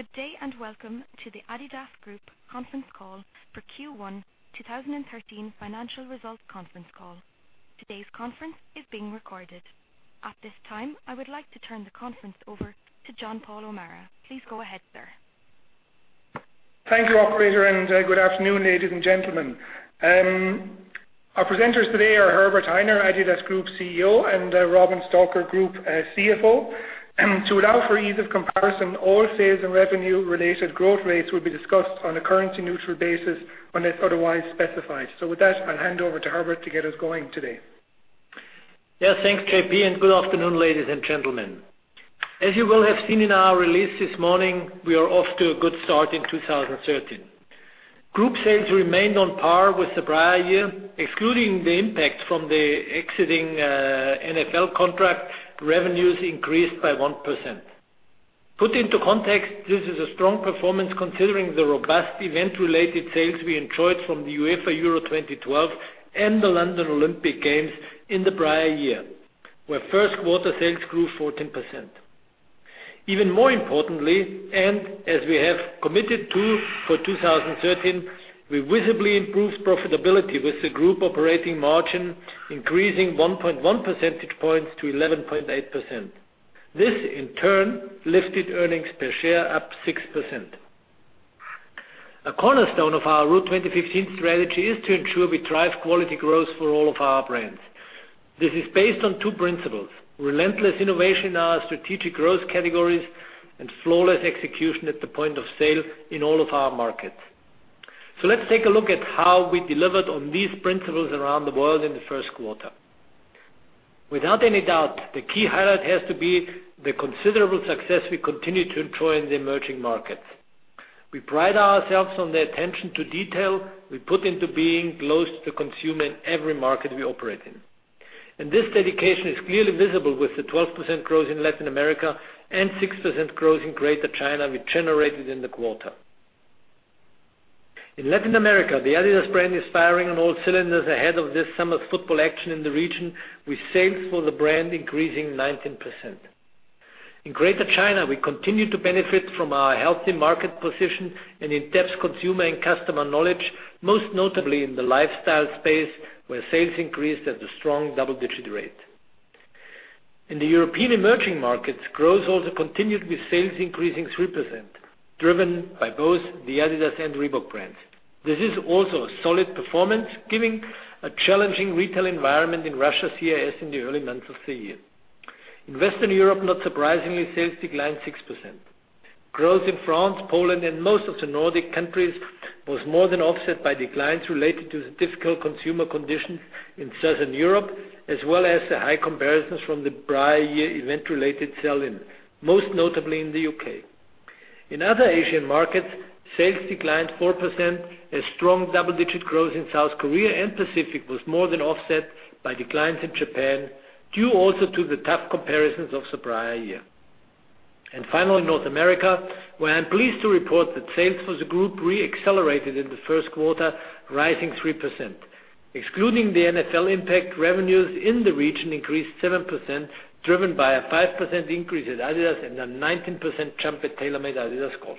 Good day and welcome to the adidas Group conference call for Q1 2013 financial results conference call. Today's conference is being recorded. At this time, I would like to turn the conference over to John-Paul O'Meara. Please go ahead, sir. Thank you, operator, and good afternoon, ladies and gentlemen. Our presenters today are Herbert Hainer, adidas Group CEO, and Robin Stalker, Group CFO. To allow for ease of comparison, all sales and revenue-related growth rates will be discussed on a currency-neutral basis unless otherwise specified. With that, I'll hand over to Herbert to get us going today. Thanks, J.P., and good afternoon, ladies and gentlemen. As you will have seen in our release this morning, we are off to a good start in 2013. Group sales remained on par with the prior year. Excluding the impact from the exiting NFL contract, revenues increased by 1%. Put into context, this is a strong performance considering the robust event-related sales we enjoyed from the UEFA Euro 2012 and the London 2012 Olympic Games in the prior year, where first quarter sales grew 14%. Even more importantly, as we have committed to for 2013, we visibly improved profitability, with the group operating margin increasing 1.1 percentage points to 11.8%. This, in turn, lifted earnings per share up 6%. A cornerstone of our Route 2015 strategy is to ensure we drive quality growth for all of our brands. This is based on two principles, relentless innovation in our strategic growth categories and flawless execution at the point of sale in all of our markets. Let's take a look at how we delivered on these principles around the world in the first quarter. Without any doubt, the key highlight has to be the considerable success we continue to enjoy in the emerging markets. We pride ourselves on the attention to detail we put into being close to consumer in every market we operate in. This dedication is clearly visible with the 12% growth in Latin America and 6% growth in Greater China we generated in the quarter. In Latin America, the adidas brand is firing on all cylinders ahead of this summer's football action in the region, with sales for the brand increasing 19%. In Greater China, we continue to benefit from our healthy market position and in-depth consumer and customer knowledge, most notably in the lifestyle space, where sales increased at a strong double-digit rate. In the European emerging markets, growth also continued with sales increasing 3%, driven by both the adidas and Reebok brands. This is also a solid performance given a challenging retail environment in Russia CIS in the early months of the year. In Western Europe, not surprisingly, sales declined 6%. Growth in France, Poland and most of the Nordic countries was more than offset by declines related to the difficult consumer conditions in Southern Europe, as well as the high comparisons from the prior year event-related sell-in, most notably in the U.K. In other Asian markets, sales declined 4% as strong double-digit growth in South Korea and Pacific was more than offset by declines in Japan, due also to the tough comparisons of the prior year. Finally, North America, where I'm pleased to report that sales for the group re-accelerated in the first quarter, rising 3%. Excluding the NFL impact, revenues in the region increased 7%, driven by a 5% increase at adidas and a 19% jump at TaylorMade-adidas Golf.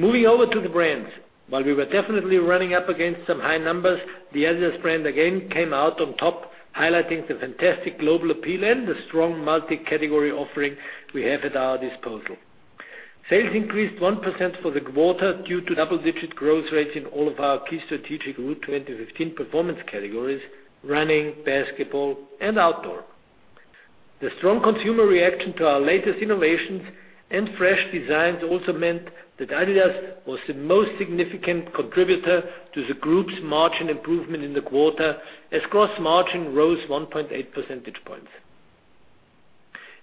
Moving over to the brands. While we were definitely running up against some high numbers, the adidas brand again came out on top, highlighting the fantastic global appeal and the strong multi-category offering we have at our disposal. Sales increased 1% for the quarter due to double-digit growth rates in all of our key strategic Route 2015 performance categories, running, basketball, and outdoor. The strong consumer reaction to our latest innovations and fresh designs also meant that adidas was the most significant contributor to the group's margin improvement in the quarter, as gross margin rose 1.8 percentage points.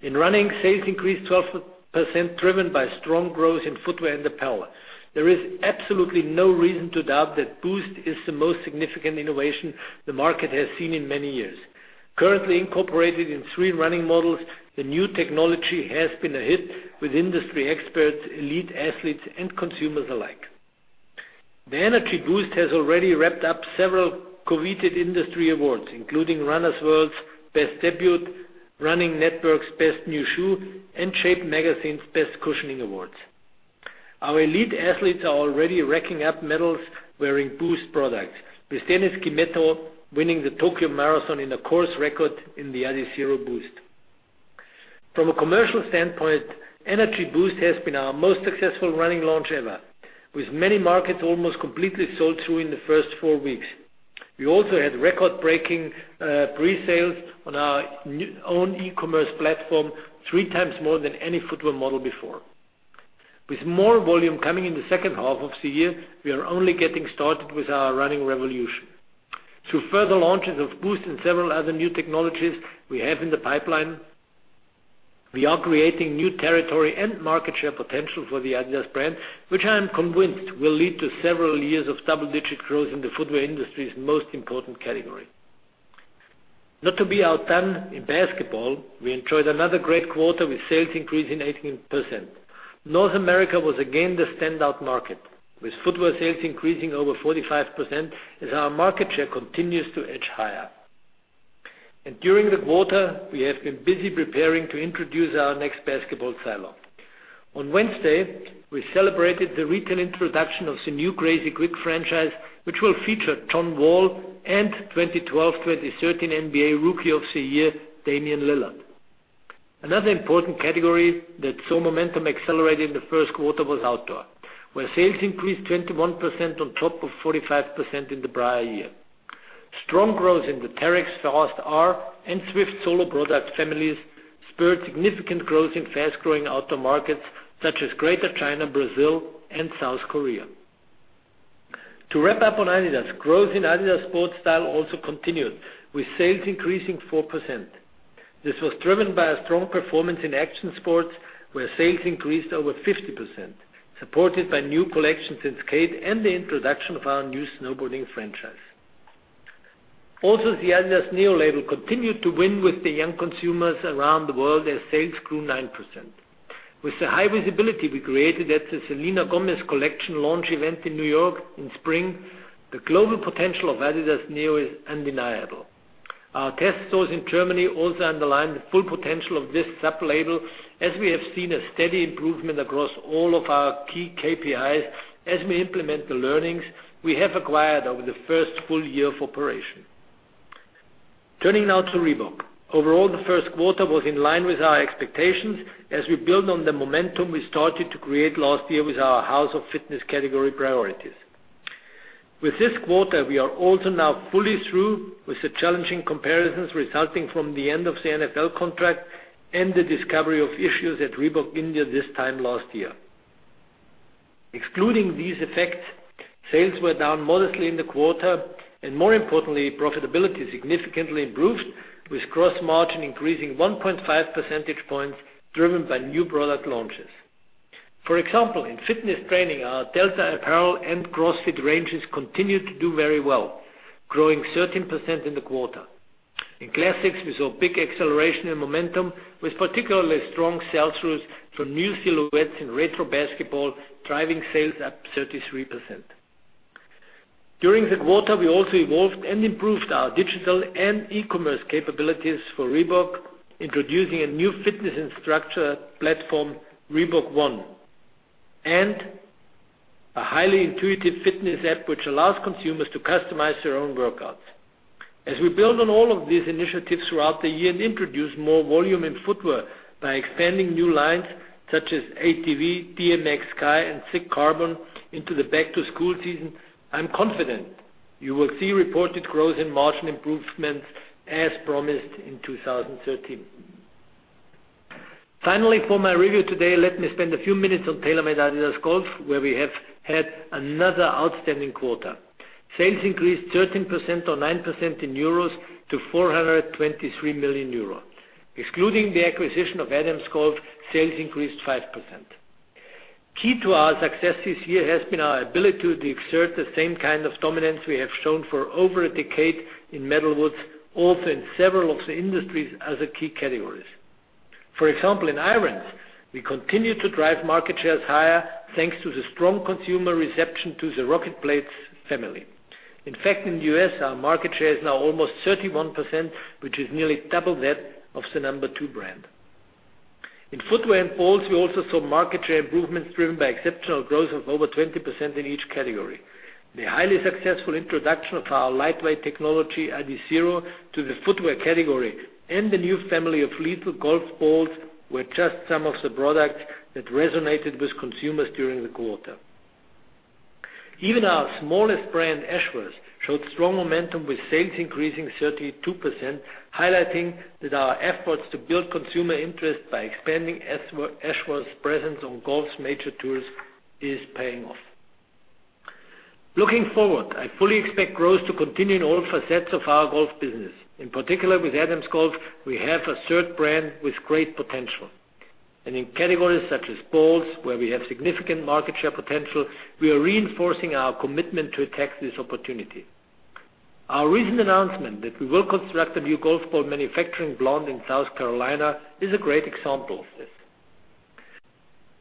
In running, sales increased 12%, driven by strong growth in footwear and apparel. There is absolutely no reason to doubt that Boost is the most significant innovation the market has seen in many years. Currently incorporated in three running models, the new technology has been a hit with industry experts, elite athletes, and consumers alike. The Energy Boost has already wrapped up several coveted industry awards, including Runner's World's Best Debut, Running Network's Best New Shoe, and Shape Magazine's Best Cushioning awards. Our elite athletes are already racking up medals wearing Boost products, with Dennis Kimetto winning the Tokyo Marathon in a course record in the Adizero Boost. From a commercial standpoint, Energy Boost has been our most successful running launch ever, with many markets almost completely sold through in the first four weeks. We also had record-breaking pre-sales on our own e-commerce platform, three times more than any footwear model before. With more volume coming in the second half of the year, we are only getting started with our running revolution. Through further launches of Boost and several other new technologies we have in the pipeline, we are creating new territory and market share potential for the adidas brand, which I am convinced will lead to several years of double-digit growth in the footwear industry's most important category. Not to be outdone in basketball, we enjoyed another great quarter with sales increasing 18%. North America was again the standout market, with footwear sales increasing over 45% as our market share continues to edge higher. During the quarter, we have been busy preparing to introduce our next basketball silo. On Wednesday, we celebrated the retail introduction of the new Crazyquick franchise, which will feature John Wall and 2012/2013 NBA Rookie of the Year, Damian Lillard. Another important category that saw momentum accelerated in the first quarter was outdoor, where sales increased 21% on top of 45% in the prior year. Strong growth in the Terrex, Fast R, and Swift Solo product families spurred significant growth in fast-growing outdoor markets such as Greater China, Brazil, and South Korea. On adidas, growth in adidas Sport Style also continued, with sales increasing 4%. This was driven by a strong performance in action sports, where sales increased over 50%, supported by new collections in skate and the introduction of our new snowboarding franchise. The adidas Neo label continued to win with the young consumers around the world as sales grew 9%. With the high visibility we created at the Selena Gomez collection launch event in New York in spring, the global potential of adidas Neo is undeniable. Our test stores in Germany also underlined the full potential of this sub-label, as we have seen a steady improvement across all of our key KPIs as we implement the learnings we have acquired over the first full year of operation. Turning now to Reebok. Overall, the first quarter was in line with our expectations as we build on the momentum we started to create last year with our House of Fitness category priorities. This quarter, we are also now fully through with the challenging comparisons resulting from the end of the NFL contract and the discovery of issues at Reebok India this time last year. Excluding these effects, sales were down modestly in the quarter, and more importantly, profitability significantly improved, with gross margin increasing 1.5 percentage points, driven by new product launches. For example, in fitness training, our Delta apparel and CrossFit ranges continued to do very well, growing 13% in the quarter. In classics, we saw big acceleration and momentum with particularly strong sell-throughs from new silhouettes in retro basketball, driving sales up 33%. During the quarter, we also evolved and improved our digital and e-commerce capabilities for Reebok, introducing a new fitness instructor platform, ReebokONE, and a highly intuitive fitness app which allows consumers to customize their own workouts. We build on all of these initiatives throughout the year and introduce more volume in footwear by expanding new lines such as ATV, DMX Sky, and ZigTech Carbon into the back-to-school season, I'm confident you will see reported growth and margin improvements as promised in 2013. For my review today, let me spend a few minutes on TaylorMade-adidas Golf, where we have had another outstanding quarter. Sales increased 13% or 9% in EUR to 423 million euros. Excluding the acquisition of Adams Golf, sales increased 5%. Key to our success this year has been our ability to exert the same kind of dominance we have shown for over a decade in metalwoods, also in several of the industry's other key categories. For example, in irons, we continue to drive market shares higher, thanks to the strong consumer reception to the RocketBladez family. In fact, in the U.S., our market share is now almost 31%, which is nearly double that of the number two brand. In footwear and balls, we also saw market share improvements driven by exceptional growth of over 20% in each category. The highly successful introduction of our lightweight technology, adizero, to the footwear category and the new family of Lethal golf balls were just some of the products that resonated with consumers during the quarter. Even our smallest brand, Ashworth, showed strong momentum with sales increasing 32%, highlighting that our efforts to build consumer interest by expanding Ashworth's presence on golf's major tours is paying off. Looking forward, I fully expect growth to continue in all facets of our golf business. In particular, with Adams Golf, we have a third brand with great potential. In categories such as balls, where we have significant market share potential, we are reinforcing our commitment to attack this opportunity. Our recent announcement that we will construct a new golf ball manufacturing plant in South Carolina is a great example of this.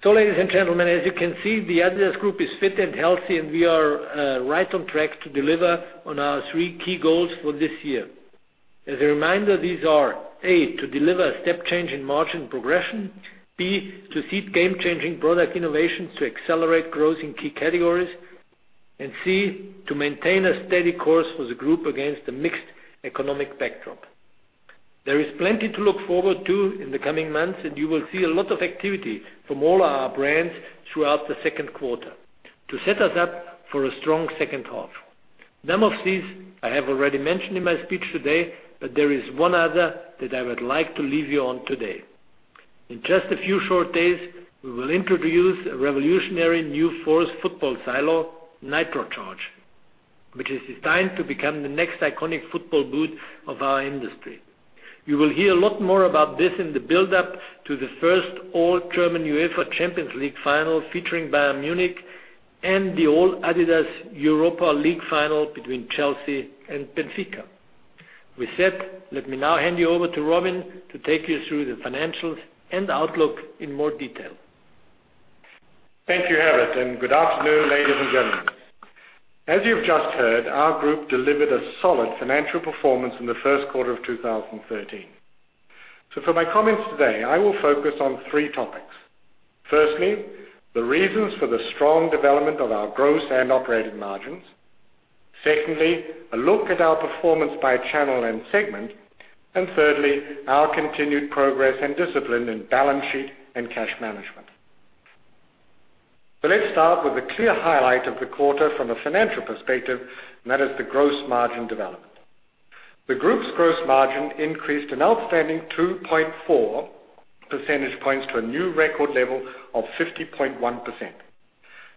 Ladies and gentlemen, as you can see, the adidas Group is fit and healthy, and we are right on track to deliver on our three key goals for this year. As a reminder, these are, A, to deliver a step change in margin progression, B, to seek game-changing product innovations to accelerate growth in key categories, and C, to maintain a steady course for the group against a mixed economic backdrop. There is plenty to look forward to in the coming months. You will see a lot of activity from all our brands throughout the second quarter to set us up for a strong second half. Some of these I have already mentioned in my speech today. There is one other that I would like to leave you on today. In just a few short days, we will introduce a revolutionary new force football silo, Nitrocharge, which is designed to become the next iconic football boot of our industry. You will hear a lot more about this in the build-up to the first all-German UEFA Champions League final, featuring Bayern Munich, and the all-adidas Europa League final between Chelsea and Benfica. With that, let me now hand you over to Robin to take you through the financials and outlook in more detail. Thank you, Herbert. Good afternoon, ladies and gentlemen. As you've just heard, our group delivered a solid financial performance in the first quarter of 2013. For my comments today, I will focus on three topics. Firstly, the reasons for the strong development of our gross and operating margins. Secondly, a look at our performance by channel and segment. Thirdly, our continued progress and discipline in balance sheet and cash management. Let's start with a clear highlight of the quarter from a financial perspective. That is the gross margin development. The group's gross margin increased an outstanding 2.4 percentage points to a new record level of 50.1%.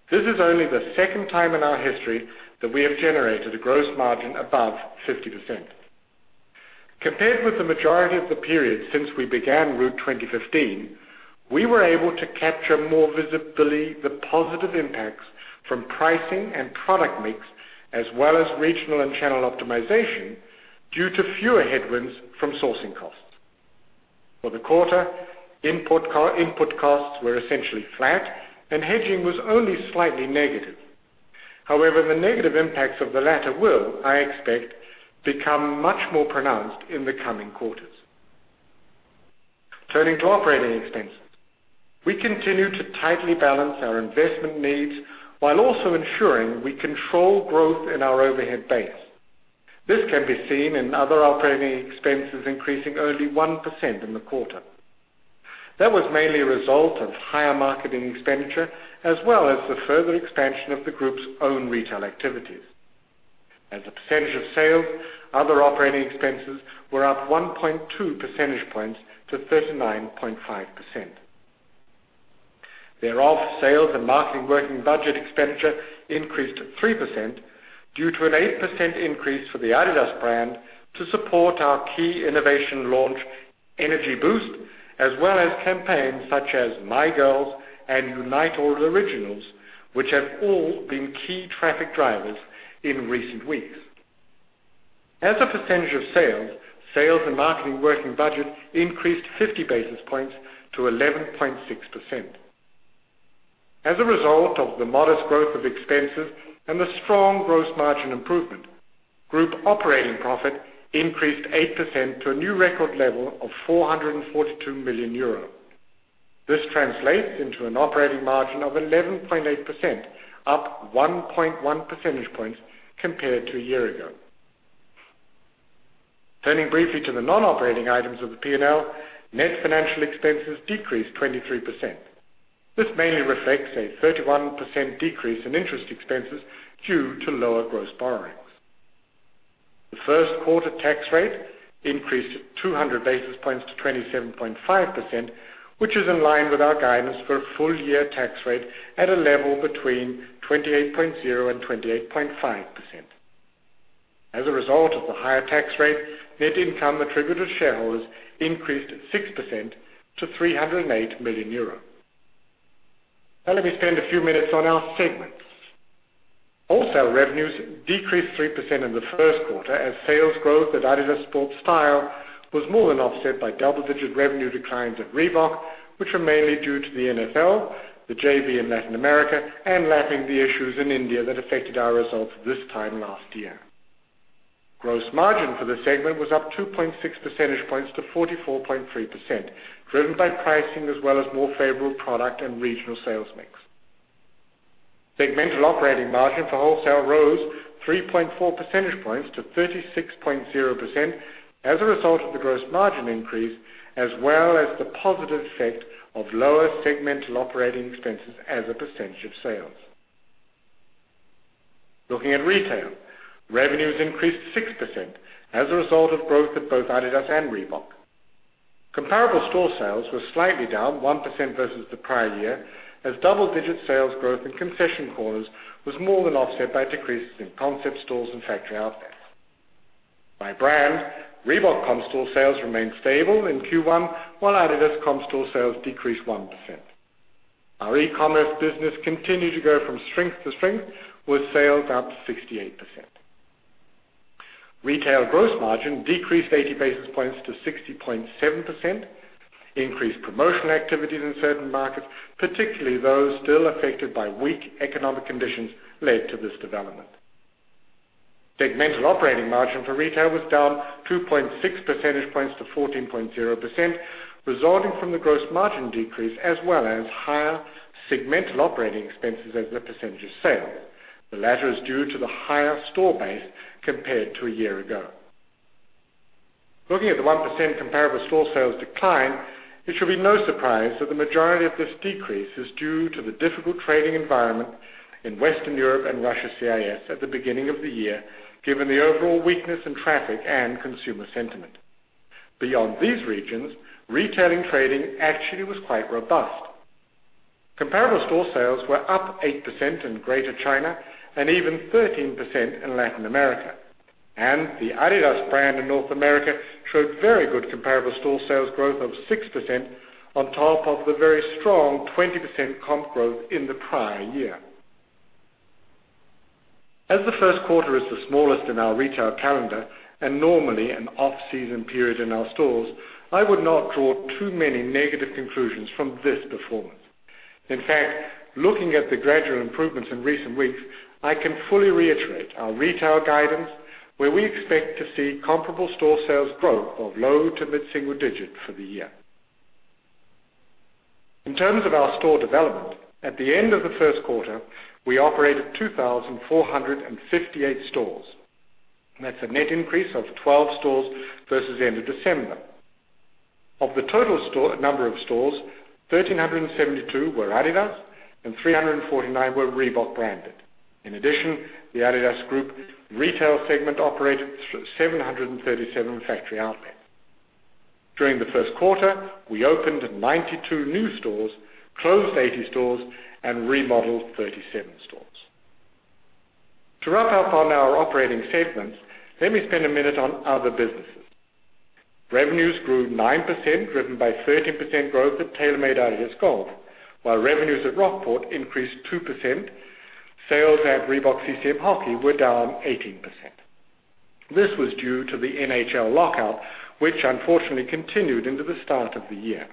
This is only the second time in our history that we have generated a gross margin above 50%. Compared with the majority of the period since we began Route 2015, we were able to capture more visibility, the positive impacts from pricing and product mix, as well as regional and channel optimization due to fewer headwinds from sourcing costs. For the quarter, input costs were essentially flat and hedging was only slightly negative. However, the negative impacts of the latter will, I expect, become much more pronounced in the coming quarters. Turning to operating expenses. We continue to tightly balance our investment needs while also ensuring we control growth in our overhead base. This can be seen in other operating expenses, increasing only 1% in the quarter. That was mainly a result of higher marketing expenditure, as well as the further expansion of the group's own retail activities. As a percentage of sales, other operating expenses were up 1.2 percentage points to 39.5%. Thereafter, sales and marketing working budget expenditure increased 3% due to an 8% increase for the adidas brand to support our key innovation launch, Energy Boost, as well as campaigns such as #mygirls and Unite All Originals, which have all been key traffic drivers in recent weeks. As a percentage of sales and marketing working budget increased 50 basis points to 11.6%. As a result of the modest growth of expenses and the strong gross margin improvement, group operating profit increased 8% to a new record level of 442 million euro. This translates into an operating margin of 11.8%, up 1.1 percentage points compared to a year ago. Turning briefly to the non-operating items of the P&L, net financial expenses decreased 23%. This mainly reflects a 31% decrease in interest expenses due to lower gross borrowings. The first quarter tax rate increased 200 basis points to 27.5%, which is in line with our guidance for a full year tax rate at a level between 28.0% and 28.5%. As a result of the higher tax rate, net income attributed to shareholders increased 6% to 308 million euro. Now, let me spend a few minutes on our segments. Wholesale revenues decreased 3% in the first quarter as sales growth at adidas Sport Style was more than offset by double-digit revenue declines at Reebok, which were mainly due to the NFL, the JV in Latin America, and lapping the issues in India that affected our results this time last year. Gross margin for the segment was up 2.6 percentage points to 44.3%, driven by pricing as well as more favorable product and regional sales mix. Segmental operating margin for wholesale rose 3.4 percentage points to 36.0% as a result of the gross margin increase, as well as the positive effect of lower segmental operating expenses as a percentage of sales. Looking at retail, revenues increased 6% as a result of growth at both adidas and Reebok. Comparable store sales were slightly down 1% versus the prior year, as double-digit sales growth in concession corners was more than offset by decreases in concept stores and factory outlets. By brand, Reebok comp store sales remained stable in Q1, while adidas comp store sales decreased 1%. Our e-commerce business continued to go from strength to strength, with sales up 68%. Retail gross margin decreased 80 basis points to 60.7%. Increased promotional activities in certain markets, particularly those still affected by weak economic conditions, led to this development. Segmental operating margin for retail was down 2.6 percentage points to 14.0%, resulting from the gross margin decrease as well as higher segmental operating expenses as a percentage of sales. The latter is due to the higher store base compared to a year ago. Looking at the 1% comparable store sales decline, it should be no surprise that the majority of this decrease is due to the difficult trading environment in Western Europe and Russia CIS at the beginning of the year, given the overall weakness in traffic and consumer sentiment. Beyond these regions, retailing trading actually was quite robust. Comparable store sales were up 8% in Greater China and even 13% in Latin America. The Adidas brand in North America showed very good comparable store sales growth of 6% on top of the very strong 20% comp growth in the prior year. As the first quarter is the smallest in our retail calendar, and normally an off-season period in our stores, I would not draw too many negative conclusions from this performance. In fact, looking at the gradual improvements in recent weeks, I can fully reiterate our retail guidance, where we expect to see comparable store sales growth of low to mid-single digit for the year. In terms of our store development, at the end of the first quarter, we operated 2,458 stores. That's a net increase of 12 stores versus the end of December. Of the total number of stores, 1,372 were Adidas and 349 were Reebok branded. In addition, the Adidas Group retail segment operated 737 factory outlets. During the first quarter, we opened 92 new stores, closed 80 stores, and remodeled 37 stores. To wrap up on our operating segments, let me spend a minute on other businesses. Revenues grew 9%, driven by 13% growth at TaylorMade-adidas Golf, while revenues at Rockport increased 2%. Sales at Reebok-CCM Hockey were down 18%. This was due to the NHL lockout, which unfortunately continued into the start of the year.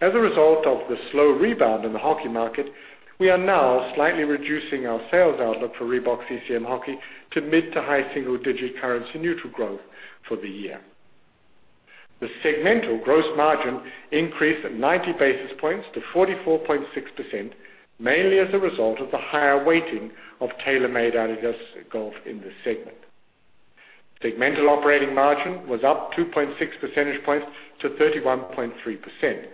As a result of the slow rebound in the hockey market, we are now slightly reducing our sales outlook for Reebok-CCM Hockey to mid to high single digit currency neutral growth for the year. The segmental gross margin increased 90 basis points to 44.6%, mainly as a result of the higher weighting of TaylorMade-adidas Golf in this segment. Segmental operating margin was up 2.6 percentage points to 31.3%.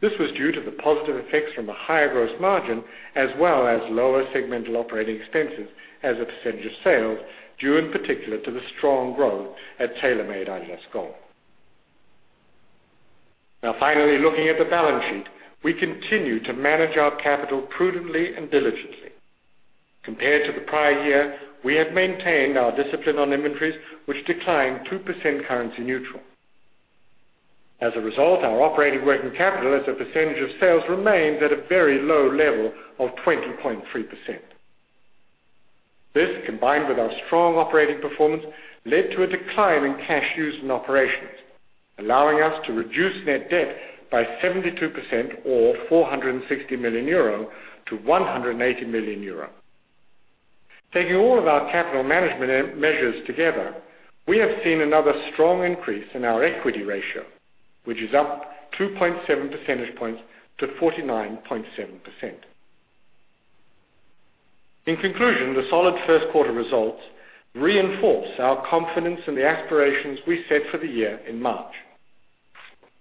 This was due to the positive effects from the higher gross margin, as well as lower segmental operating expenses as a percentage of sales, due in particular to the strong growth at TaylorMade-adidas Golf. Finally, looking at the balance sheet, we continue to manage our capital prudently and diligently. Compared to the prior year, we have maintained our discipline on inventories, which declined 2% currency neutral. As a result, our operating working capital as a percentage of sales remains at a very low level of 20.3%. This, combined with our strong operating performance, led to a decline in cash used in operations, allowing us to reduce net debt by 72%, or 460 million euro, to 180 million euro. Taking all of our capital management measures together, we have seen another strong increase in our equity ratio, which is up 2.7 percentage points to 49.7%. In conclusion, the solid first quarter results reinforce our confidence in the aspirations we set for the year in March.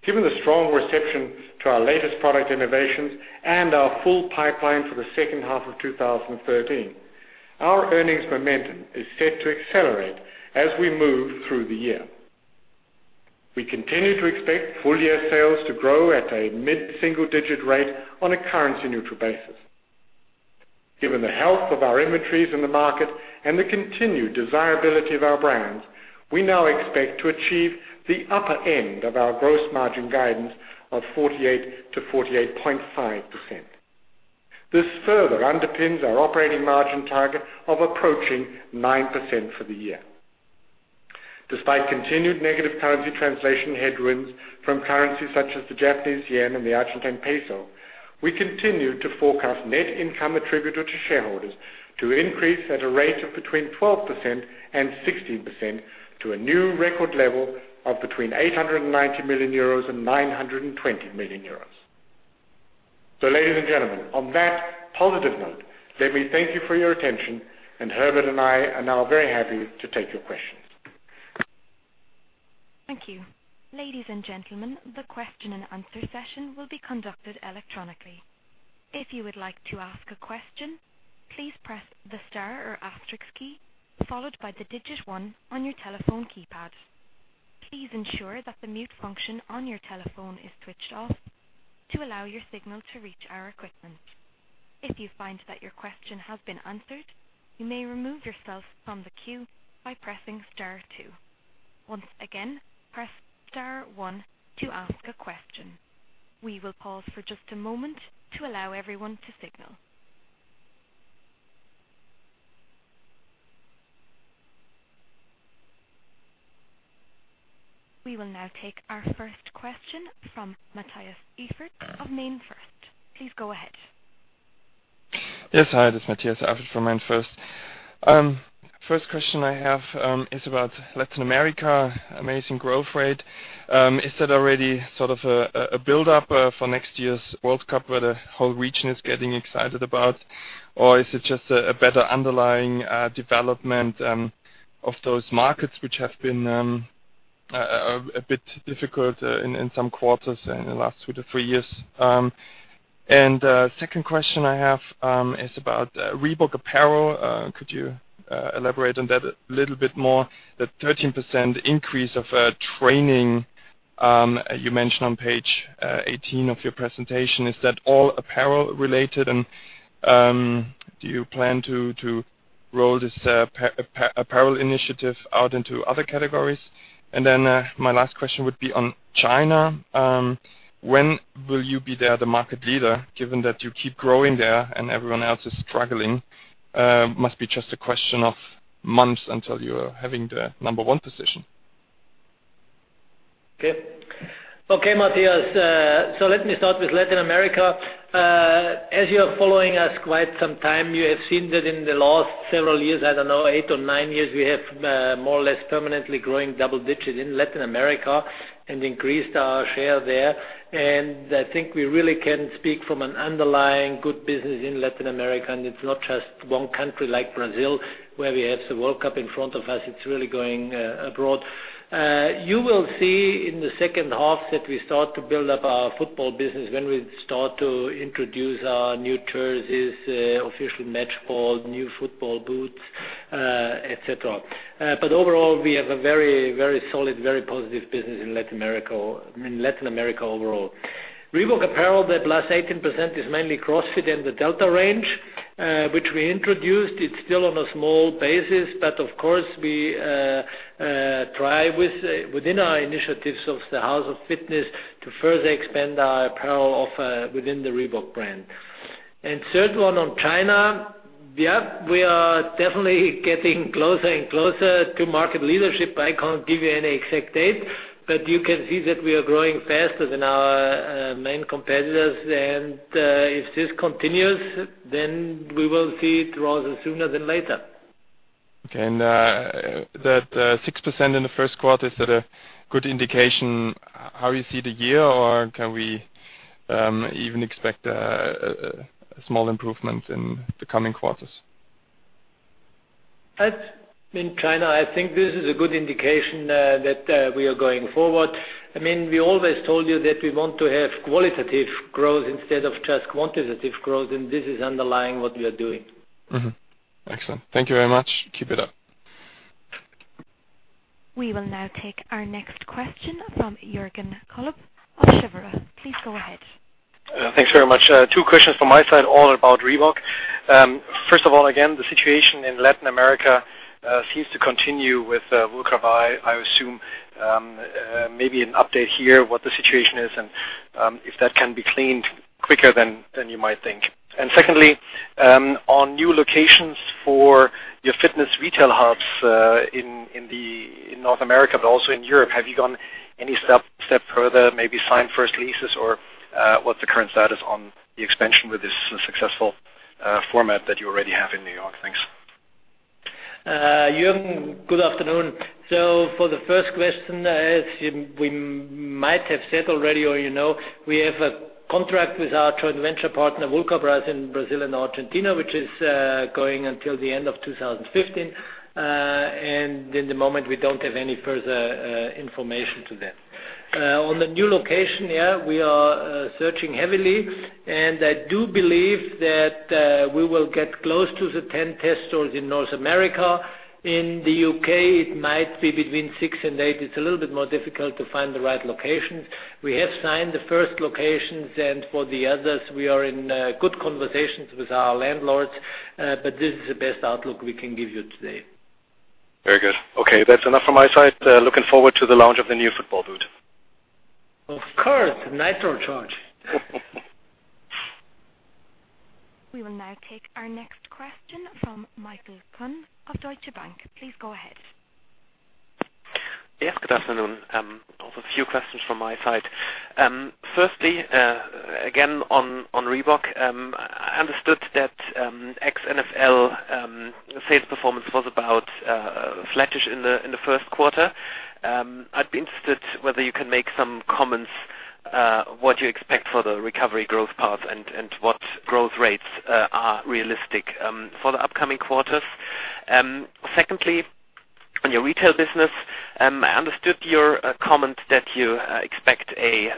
Given the strong reception to our latest product innovations and our full pipeline for the second half of 2013, our earnings momentum is set to accelerate as we move through the year. We continue to expect full-year sales to grow at a mid-single digit rate on a currency-neutral basis. Given the health of our inventories in the market and the continued desirability of our brands, we now expect to achieve the upper end of our gross margin guidance of 48%-48.5%. This further underpins our operating margin target of approaching 9% for the year. Despite continued negative currency translation headwinds from currencies such as the Japanese yen and the Argentine peso, we continue to forecast net income attributable to shareholders to increase at a rate of between 12% and 16% to a new record level of between 890 million euros and 920 million euros. Ladies and gentlemen, on that positive note, let me thank you for your attention, and Herbert and I are now very happy to take your questions. Thank you. Ladies and gentlemen, the question and answer session will be conducted electronically. If you would like to ask a question, please press the star or asterisk key, followed by the digit 1 on your telephone keypad. Please ensure that the mute function on your telephone is switched off to allow your signal to reach our equipment. If you find that your question has been answered, you may remove yourself from the queue by pressing star 2. Once again, press star 1 to ask a question. We will pause for just a moment to allow everyone to signal. We will now take our first question from Mathias Eifert of MainFirst. Please go ahead. Yes. Hi, this is Mathias Eifert from MainFirst. First question I have is about Latin America, amazing growth rate. Is that already sort of a buildup for next year's World Cup, where the whole region is getting excited about, or is it just a better underlying development of those markets, which have been a bit difficult in some quarters in the last two to three years? Second question I have is about Reebok apparel. Could you elaborate on that a little bit more? The 13% increase of training you mentioned on page 18 of your presentation, is that all apparel related? Do you plan to roll this apparel initiative out into other categories? My last question would be on China. When will you be there the market leader, given that you keep growing there and everyone else is struggling? Must be just a question of months until you are having the number one position. Okay. Okay, Mathias. Let me start with Latin America. As you are following us quite some time, you have seen that in the last several years, I don't know, eight or nine years, we have more or less permanently growing double digits in Latin America and increased our share there. I think we really can speak from an underlying good business in Latin America. It's not just one country like Brazil, where we have the FIFA World Cup in front of us. It's really going abroad. You will see in the second half that we start to build up our football business when we start to introduce our new jerseys, official match ball, new football boots, et cetera. Overall, we have a very solid, very positive business in Latin America overall. Reebok apparel, the +18% is mainly CrossFit and the Delta range, which we introduced. It's still on a small basis, but of course, we try within our initiatives of the House of Fitness to further expand our apparel offer within the Reebok brand. Third one on China. We are definitely getting closer and closer to market leadership. I can't give you any exact date, but you can see that we are growing faster than our main competitors. If this continues, then we will see it rather sooner than later. Okay. That 6% in the first quarter, is that a good indication how you see the year, or can we even expect a small improvement in the coming quarters? In China, I think this is a good indication that we are going forward. We always told you that we want to have qualitative growth instead of just quantitative growth, and this is underlying what we are doing. Mm-hmm. Excellent. Thank you very much. Keep it up. We will now take our next question from Jürgen Kolb of Kepler Cheuvreux. Please go ahead. Thanks very much. Two questions from my side, all about Reebok. First of all, again, the situation in Latin America seems to continue with Vulcabras, I assume. Maybe an update here, what the situation is and if that can be cleaned quicker than you might think. Secondly, on new locations for your fitness retail hubs in North America but also in Europe, have you gone any step further, maybe signed first leases, or what's the current status on the expansion with this successful format that you already have in New York? Thanks. Jürgen, good afternoon. For the first question, as we might have said already or you know, we have a contract with our joint venture partner, Vulcabras, in Brazil and Argentina, which is going until the end of 2015. In the moment, we don't have any further information to that. On the new location, yeah, we are searching heavily, and I do believe that we will get close to the 10 test stores in North America. In the U.K., it might be between six and eight. It's a little bit more difficult to find the right locations. We have signed the first locations, and for the others, we are in good conversations with our landlords. This is the best outlook we can give you today. Very good. That's enough from my side. Looking forward to the launch of the new football boot. Of course, Nitrocharge. We will now take our next question from Michael Kuhn of Deutsche Bank. Please go ahead. Yes, good afternoon. Also a few questions from my side. Firstly, again, on Reebok. I understood that ex-NFL sales performance was about flattish in the first quarter. I would be interested whether you can make some comments what you expect for the recovery growth path and what growth rates are realistic for the upcoming quarters. Secondly, on your retail business, I understood your comment that you expect a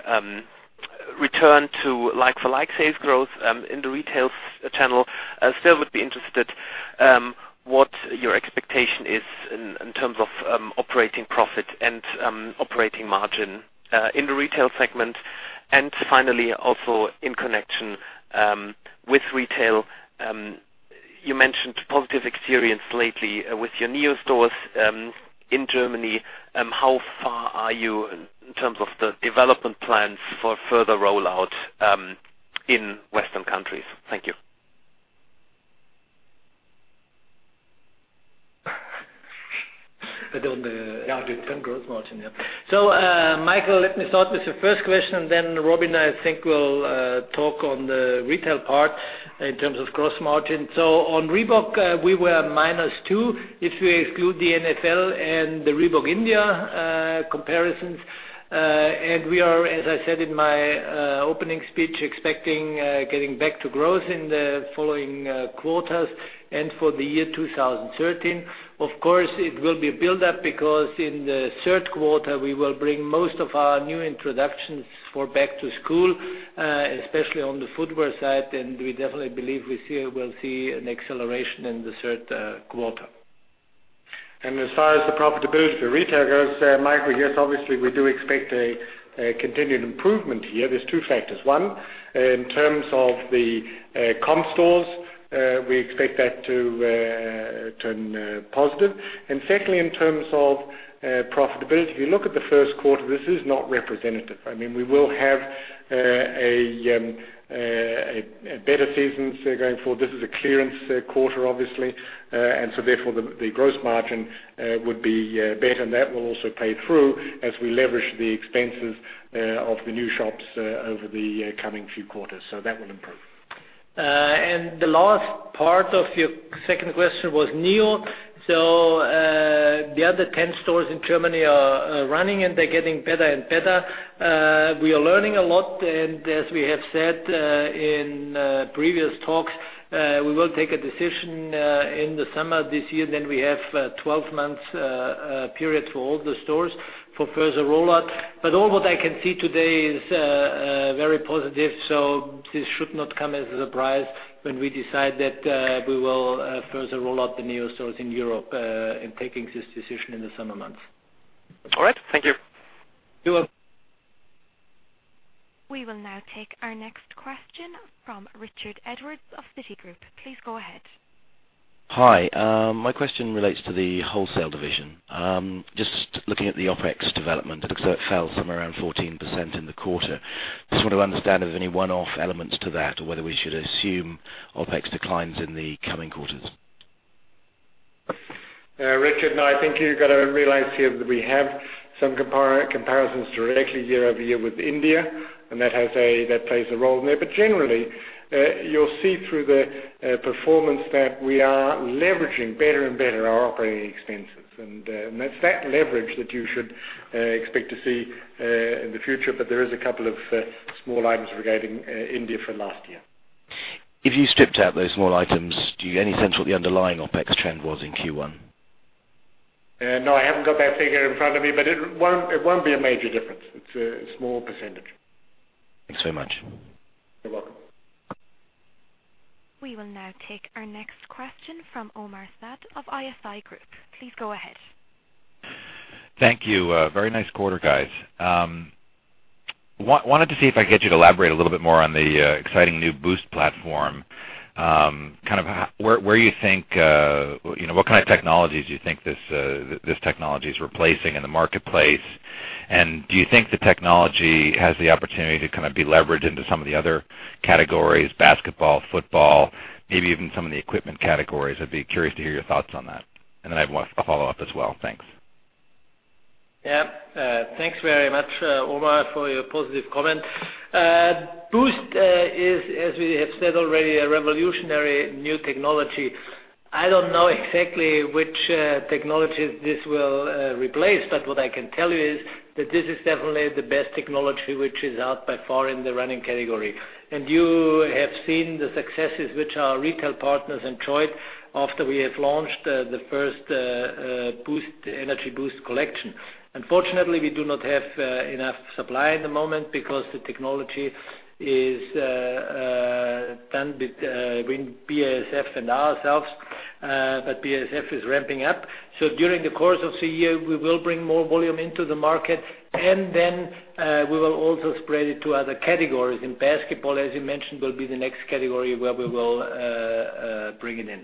return to like-for-like sales growth in the retail channel. I still would be interested what your expectation is in terms of operating profit and operating margin in the retail segment. Finally, also in connection with retail, you mentioned positive experience lately with your Neo stores in Germany. How far are you in terms of the development plans for further rollout in Western countries? Thank you. On the- Yeah. Gross margin. Michael, let me start with the first question, and then Robin, I think, will talk on the retail part in terms of gross margin. On Reebok, we were -2% if we exclude the NFL and the Reebok India comparisons. We are, as I said in my opening speech, expecting getting back to growth in the following quarters and for the year 2013. Of course, it will be a build-up because in the third quarter, we will bring most of our new introductions for back to school, especially on the footwear side, we definitely believe we will see an acceleration in the third quarter. As far as the profitability for retail goes, Michael, yes, obviously, we do expect a continued improvement here. There's two factors. One, in terms of the comp stores, we expect that to turn positive. Secondly, in terms of profitability, if you look at the first quarter, this is not representative. We will have better seasons going forward. This is a clearance quarter, obviously. Therefore, the gross margin would be better, and that will also pay through as we leverage the expenses of the new shops over the coming few quarters. That will improve. The last part of your second question was adidas Neo. The other 10 stores in Germany are running, and they're getting better and better. We are learning a lot, and as we have said in previous talks, we will take a decision in the summer this year. We have 12 months period for all the stores for further rollout. All what I can see today is very positive, this should not come as a surprise when we decide that we will further roll out the adidas Neo stores in Europe and taking this decision in the summer months. All right. Thank you. You're welcome. We will now take our next question from Richard Edwards of Citigroup. Please go ahead. Hi. My question relates to the wholesale division. Just looking at the OpEx development, it looks like it fell somewhere around 14% in the quarter. Just want to understand if there's any one-off elements to that or whether we should assume OpEx declines in the coming quarters. Richard, no, I think you've got to realize here that we have some comparisons directly year-over-year with India, and that plays a role in there. Generally, you'll see through the performance that we are leveraging better and better our operating expenses. That's that leverage that you should expect to see in the future. There is a couple of small items regarding India for last year. If you stripped out those small items, do you any sense what the underlying OpEx trend was in Q1? No, I haven't got that figure in front of me, but it won't be a major difference. It's a small percentage. Thanks so much. You're welcome. We will now take our next question from Omar Saad of ISI Group. Please go ahead. Thank you. Very nice quarter, guys. Wanted to see if I could get you to elaborate a little bit more on the exciting new Boost platform. What kind of technologies do you think this technology is replacing in the marketplace? Do you think the technology has the opportunity to be leveraged into some of the other categories, basketball, football, maybe even some of the equipment categories? I'd be curious to hear your thoughts on that. I have a follow-up as well. Thanks. Yes. Thanks very much, Omar, for your positive comment. Boost is, as we have said already, a revolutionary new technology. I don't know exactly which technology this will replace, but what I can tell you is that this is definitely the best technology which is out by far in the running category. You have seen the successes which our retail partners enjoyed after we have launched the first Energy Boost collection. Unfortunately, we do not have enough supply at the moment because the technology is done between BASF and ourselves, but BASF is ramping up. During the course of the year, we will bring more volume into the market, and then we will also spread it to other categories. Basketball, as you mentioned, will be the next category where we will bring it in.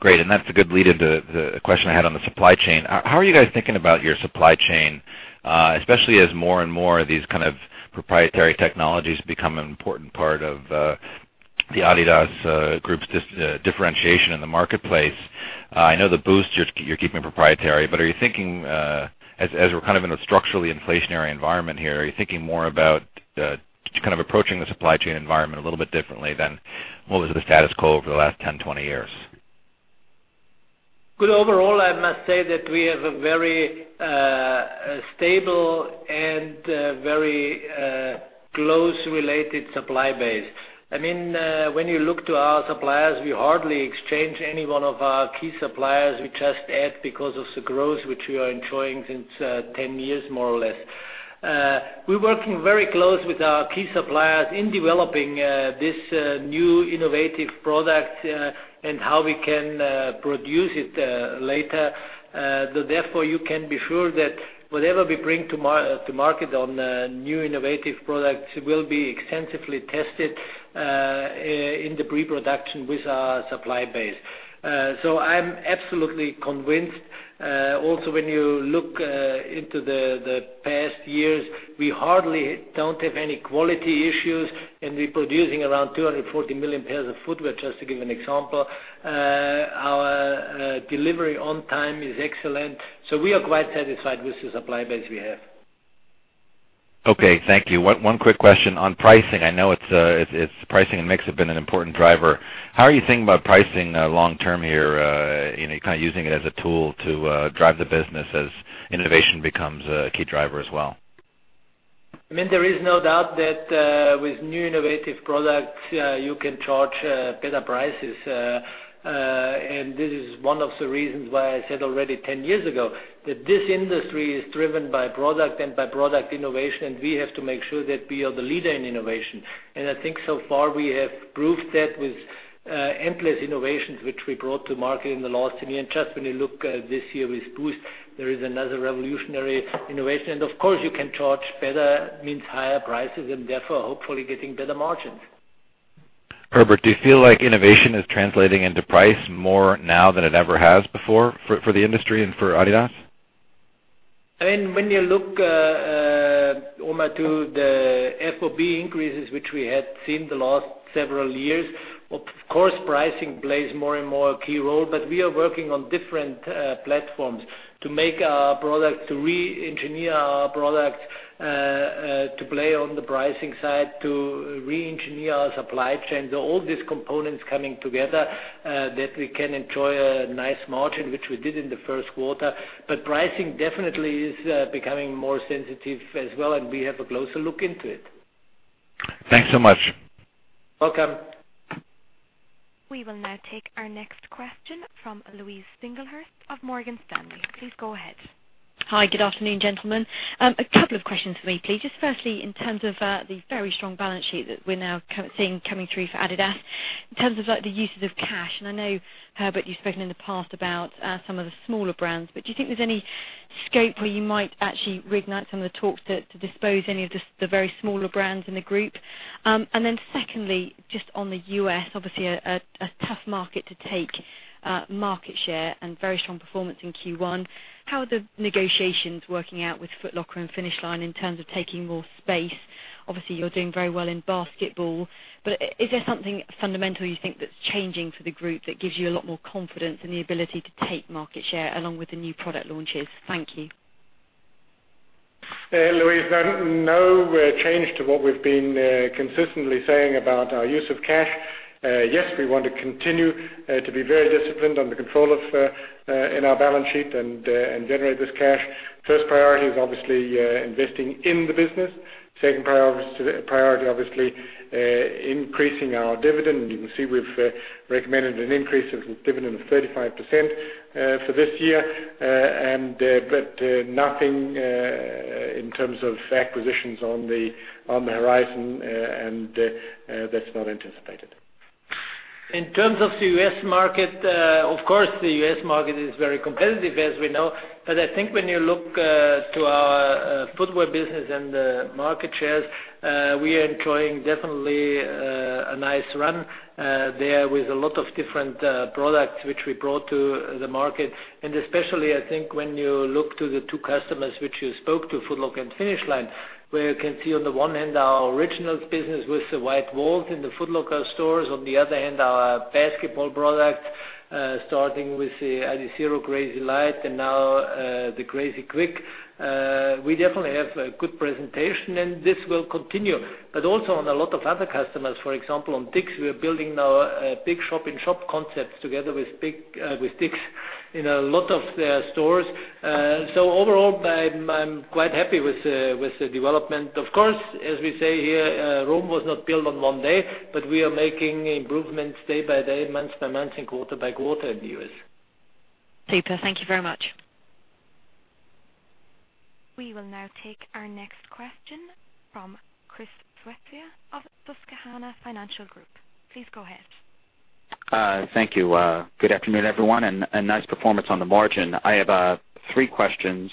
Great. That's a good lead into the question I had on the supply chain. How are you guys thinking about your supply chain, especially as more and more of these kind of proprietary technologies become an important part of the adidas Group's differentiation in the marketplace? I know the Boost you're keeping proprietary, but are you thinking, as we're kind of in a structurally inflationary environment here, are you thinking more about kind of approaching the supply chain environment a little bit differently than what was the status quo over the last 10, 20 years? Good overall, I must say that we have a very stable and very close related supply base. When you look to our suppliers, we hardly exchange any one of our key suppliers. We just add because of the growth which we are enjoying since 10 years, more or less. We're working very close with our key suppliers in developing this new innovative product and how we can produce it later. Therefore, you can be sure that whatever we bring to market on new innovative products will be extensively tested in the pre-production with our supply base. I'm absolutely convinced. Also, when you look into the past years, we hardly don't have any quality issues. We're producing around 240 million pairs of footwear, just to give an example. Our delivery on time is excellent, we are quite satisfied with the supply base we have. Okay, thank you. One quick question on pricing. I know pricing and mix have been an important driver. How are you thinking about pricing long-term here? Are you kind of using it as a tool to drive the business as innovation becomes a key driver as well? There is no doubt that with new innovative products, you can charge better prices. This is one of the reasons why I said already 10 years ago that this industry is driven by product and by product innovation, and we have to make sure that we are the leader in innovation. I think so far we have proved that with endless innovations which we brought to market in the last year. Just when you look this year with Boost, there is another revolutionary innovation. Of course, you can charge better, means higher prices, and therefore hopefully getting better margins. Herbert, do you feel like innovation is translating into price more now than it ever has before for the industry and for adidas? When you look, Omar, to the FOB increases, which we had seen the last several years, of course, pricing plays more and more a key role. We are working on different platforms to make our product, to re-engineer our product, to play on the pricing side, to re-engineer our supply chain. All these components coming together, that we can enjoy a nice margin, which we did in the first quarter. Pricing definitely is becoming more sensitive as well, and we have a closer look into it. Thanks so much. Welcome. We will now take our next question from Louise Singlehurst of Morgan Stanley. Please go ahead. Hi, good afternoon, gentlemen. A couple of questions for me, please. Firstly, in terms of the very strong balance sheet that we're now seeing coming through for adidas, in terms of the uses of cash, and I know, Herbert, you've spoken in the past about some of the smaller brands, do you think there's any scope where you might actually reignite some of the talks to dispose any of the very smaller brands in the group? Secondly, just on the U.S., obviously a tough market to take market share and very strong performance in Q1. How are the negotiations working out with Foot Locker and Finish Line in terms of taking more space? Obviously, you're doing very well in basketball, is there something fundamental you think that's changing for the group that gives you a lot more confidence in the ability to take market share along with the new product launches? Thank you. Louise, no change to what we've been consistently saying about our use of cash. Yes, we want to continue to be very disciplined on the control in our balance sheet and generate this cash. First priority is obviously investing in the business. Second priority, obviously increasing our dividend, and you can see we've recommended an increase of dividend of 35% for this year. Nothing in terms of acquisitions on the horizon, and that's not anticipated. In terms of the U.S. market, of course, the U.S. market is very competitive, as we know. I think when you look to our footwear business and the market shares, we are enjoying definitely a nice run there with a lot of different products which we brought to the market. Especially, I think when you look to the two customers which you spoke to, Foot Locker and Finish Line, where you can see on the one hand, our Originals business with the white walls in the Foot Locker stores. On the other hand, our basketball products, starting with the adiZero Crazy Light and now, the Crazyquick. We definitely have a good presentation and this will continue. But also on a lot of other customers, for example, on DICK'S, we are building now a big shop-in-shop concepts together with DICK'S in a lot of their stores. Overall, I'm quite happy with the development. Of course, as we say here, Rome was not built on one day, we are making improvements day by day, month by month, and quarter by quarter in the U.S. Super. Thank you very much. We will now take our next question from Christopher Svezia of Susquehanna Financial Group. Please go ahead. Thank you. Good afternoon, everyone, and nice performance on the margin. I have three questions.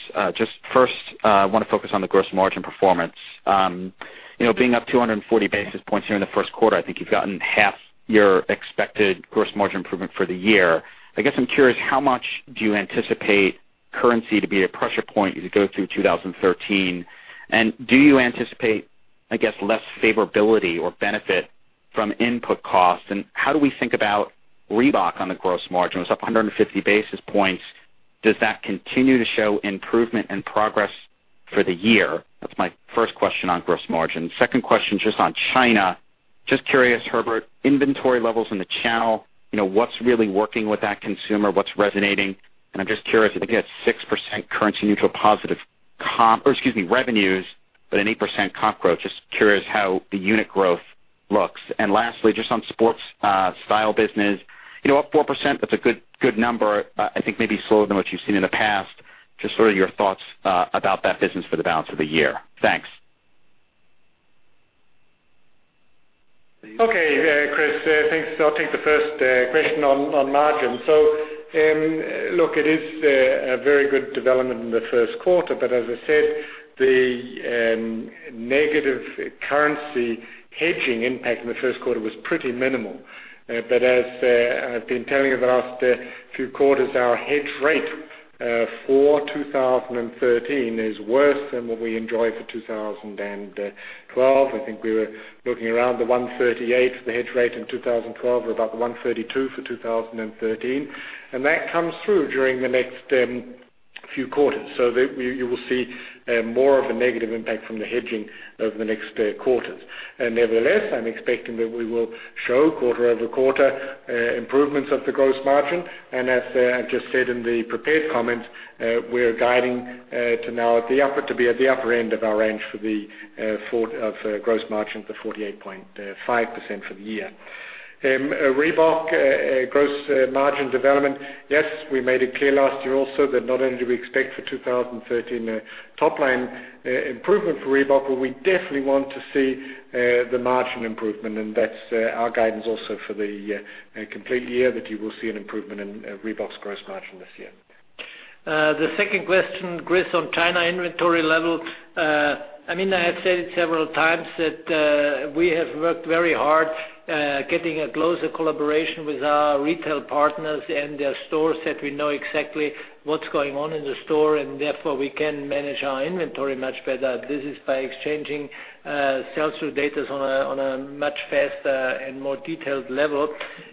First, I want to focus on the gross margin performance. Being up 240 basis points here in the first quarter, I think you've gotten half your expected gross margin improvement for the year. I guess I'm curious, how much do you anticipate currency to be a pressure point as you go through 2013? Do you anticipate, I guess, less favorability or benefit from input costs? How do we think about Reebok on the gross margin? It was up 150 basis points. Does that continue to show improvement and progress for the year? That's my first question on gross margin. Second question, on China. Curious, Herbert, inventory levels in the channel, what's really working with that consumer? What's resonating? I'm curious, I think you had 6% currency neutral positive revenues, but an 8% comp growth. Curious how the unit growth looks. Lastly, on adidas Sport Style business, up 4%, that's a good number. I think maybe slower than what you've seen in the past. Sort of your thoughts about that business for the balance of the year. Thanks. Okay. Chris, thanks. I'll take the first question on margin. Look, it is a very good development in the first quarter, but as I said, the negative currency hedging impact in the first quarter was pretty minimal. As I've been telling you the last few quarters, our hedge rate for 2013 is worse than what we enjoyed for 2012. I think we were looking around the 138 for the hedge rate in 2012. We're about the 132 for 2013. That comes through during the next few quarters, so you will see more of a negative impact from the hedging over the next quarters. Nevertheless, I'm expecting that we will show quarter-over-quarter improvements of the gross margin. As I said in the prepared comments, we are guiding to be at the upper end of our range for the gross margin for 48.5% for the year. Reebok gross margin development, yes, we made it clear last year also that not only do we expect for 2013 top line improvement for Reebok, but we definitely want to see the margin improvement. That's our guidance also for the complete year, that you will see an improvement in Reebok's gross margin this year. The second question, Chris, on China inventory level. I have said it several times that we have worked very hard getting a closer collaboration with our retail partners and their stores, that we know exactly what's going on in the store, and therefore, we can manage our inventory much better. This is by exchanging Sell-through data is on a much faster and more detailed level.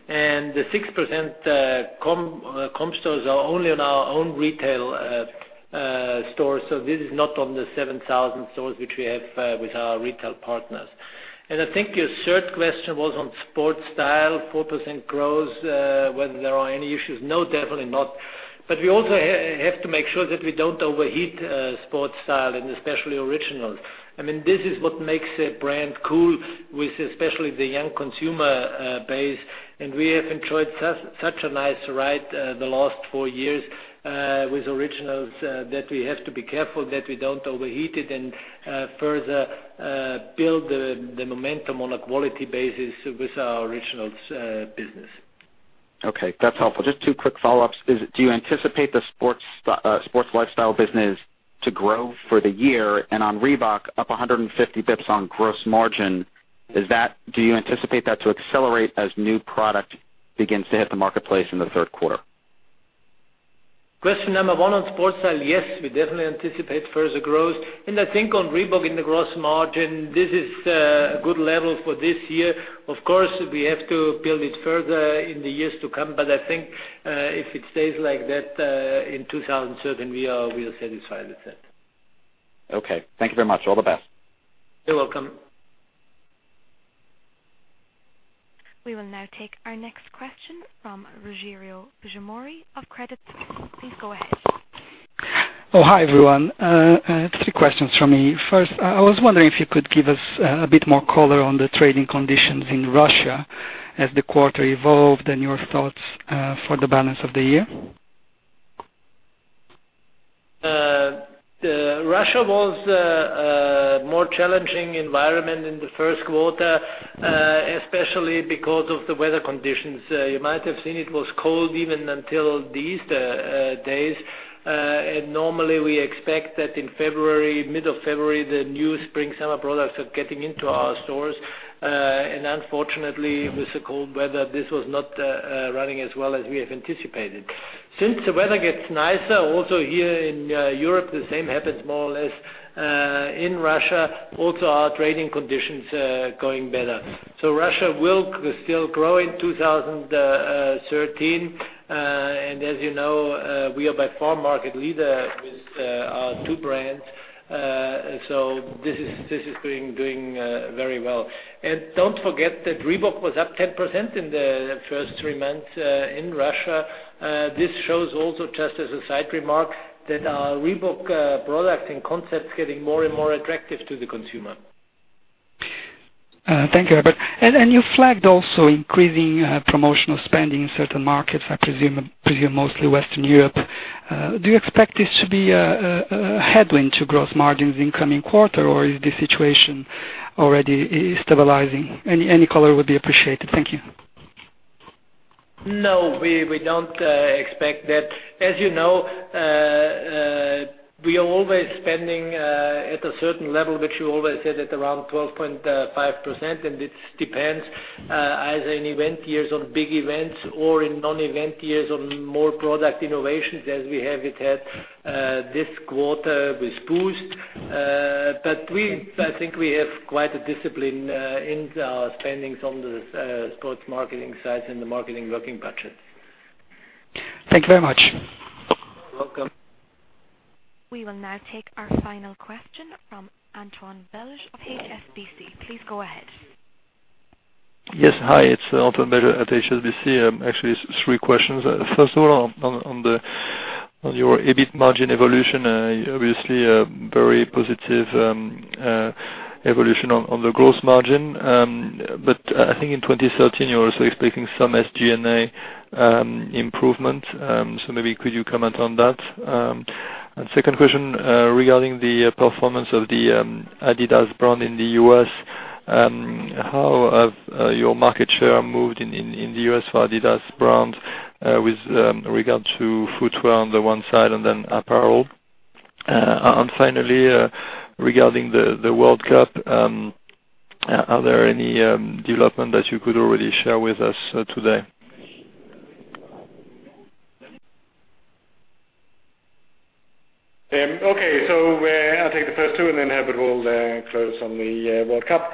The 6% comp stores are only in our own retail stores. This is not on the 7,000 stores which we have with our retail partners. I think your third question was on adidas Sport Style, 4% growth, whether there are any issues. No, definitely not. We also have to make sure that we don't overheat adidas Sport Style, and especially adidas Originals. This is what makes a brand cool with especially the young consumer base. We have enjoyed such a nice ride the last four years with adidas Originals, that we have to be careful that we don't overheat it and further build the momentum on a quality basis with our adidas Originals business. Okay. That's helpful. Just two quick follow-ups. Do you anticipate the adidas Sport Style business to grow for the year? On Reebok, up 150 basis points on gross margin, do you anticipate that to accelerate as new product begins to hit the marketplace in the third quarter? Question number 1 on adidas Sport Style, yes, we definitely anticipate further growth. I think on Reebok and the gross margin, this is a good level for this year. Of course, we have to build it further in the years to come. I think if it stays like that in 2013, we are satisfied with that. Okay. Thank you very much. All the best. You're welcome. We will now take our next question from Rogerio Zampronha of Credit Suisse. Please go ahead. Hi, everyone. Three questions from me. First, I was wondering if you could give us a bit more color on the trading conditions in Russia as the quarter evolved, and your thoughts for the balance of the year. Russia was a more challenging environment in the first quarter, especially because of the weather conditions. You might have seen it was cold even until these days. Normally we expect that in February, middle of February, the new spring/summer products are getting into our stores. Unfortunately, with the cold weather, this was not running as well as we had anticipated. Since the weather gets nicer, also here in Europe, the same happens more or less in Russia. Also, our trading conditions are going better. Russia will still grow in 2013. As you know, we are by far market leader with our two brands. This is doing very well. Don't forget that Reebok was up 10% in the first three months in Russia. This shows also, just as a side remark, that our Reebok product and concept is getting more and more attractive to the consumer. Thank you, Herbert. You flagged also increasing promotional spending in certain markets, I presume mostly Western Europe. Do you expect this to be a headwind to gross margins in coming quarter, or is the situation already stabilizing? Any color would be appreciated. Thank you. No, we don't expect that. As you know, we are always spending at a certain level, which we always said at around 12.5%, and it depends, either in event years on big events or in non-event years on more product innovations as we have had this quarter with Boost. I think we have quite a discipline in our spendings on the sports marketing side and the marketing working budget. Thank you very much. You're welcome. We will now take our final question from Antoine Belge of HSBC. Please go ahead. Yes. Hi, it's Antoine Belge at HSBC. Actually, it's three questions. First of all, on your EBIT margin evolution, obviously a very positive evolution on the gross margin. I think in 2013, you're also expecting some SG&A improvement. Maybe could you comment on that? Second question, regarding the performance of the adidas brand in the U.S., how have your market share moved in the U.S. for adidas brands with regard to footwear on the one side and then apparel? Finally, regarding the World Cup, are there any development that you could already share with us today? Okay. I'll take the first two, then Herbert will close on the World Cup.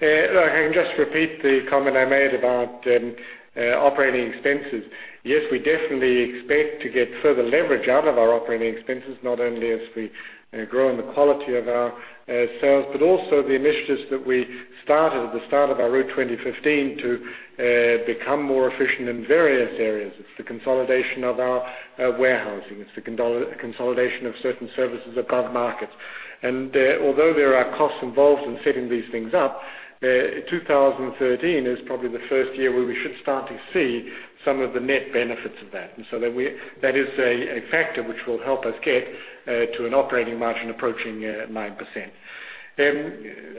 If I can just repeat the comment I made about operating expenses. Yes, we definitely expect to get further leverage out of our operating expenses, not only as we grow in the quality of our sales, but also the initiatives that we started at the start of our Route 2015 to become more efficient in various areas. It's the consolidation of our warehousing. It's the consolidation of certain services above markets. Although there are costs involved in setting these things up, 2013 is probably the first year where we should start to see some of the net benefits of that. That is a factor which will help us get to an operating margin approaching 9%.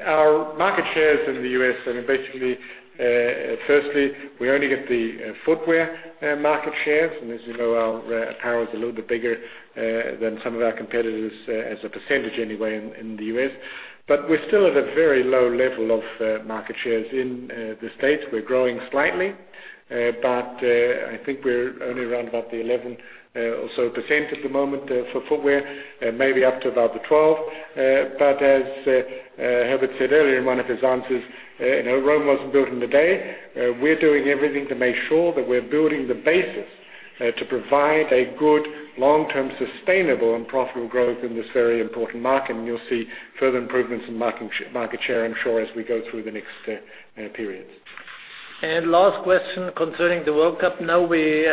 Our market shares in the U.S., basically, firstly, we only get the footwear market shares. As you know, our apparel is a little bit bigger than some of our competitors as a percentage anyway in the U.S. We're still at a very low level of market shares in the States. We're growing slightly, but I think we're only around about the 11 or so % at the moment for footwear, maybe up to about the 12. As Herbert said earlier in one of his answers, Rome wasn't built in a day. We're doing everything to make sure that we're building the basis to provide a good long-term sustainable and profitable growth in this very important market. You'll see further improvements in market share, I'm sure, as we go through the next periods. Last question concerning the World Cup. No, we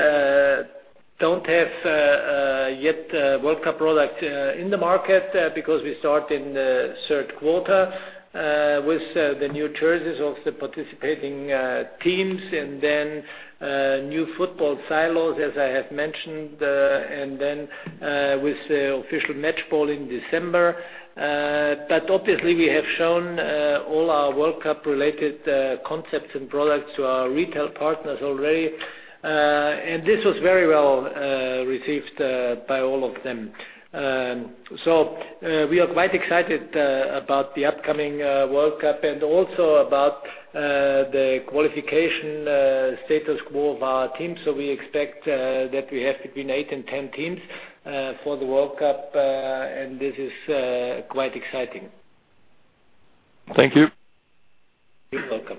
don't have yet World Cup product in the market because we start in the third quarter with the new jerseys of the participating teams, then new football silos, as I have mentioned, and then with the official match ball in December. Obviously, we have shown all our World Cup-related concepts and products to our retail partners already. This was very well received by all of them. We are quite excited about the upcoming World Cup and also about the qualification status quo of our team. We expect that we have between eight and 10 teams for the World Cup, and this is quite exciting. Thank you. You're welcome.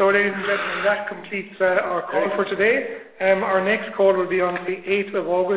Ladies and gentlemen, that completes our call for today. Our next call will be on the 8th of August.